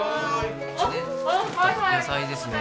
野菜ですね。